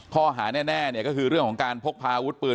ข้อหาแน่เนี่ยก็คือเรื่องของการพกพาอาวุธปืน